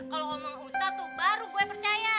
kalo omong ustaz tuh baru gua percaya